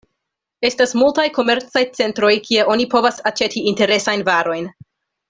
Estas multaj komercaj centroj kie oni povas aĉeti interesajn varojn.